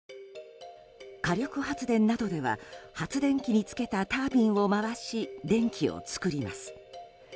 火力発電などでは発電機につけたタービンを回し電気を作ります。